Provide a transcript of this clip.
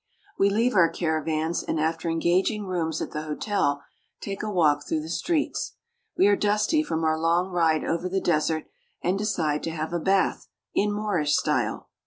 We leave our caravans and, after engaging rooms at the hotel, take a walk through the streets. We are dusty from our long ride over the desert and decide to have a bath in Moorish style.